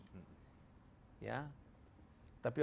tapi orang tidak tahu